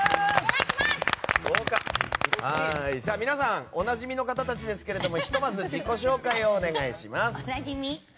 皆さんおなじみの方たちですけどひとまず自己紹介をお願いします。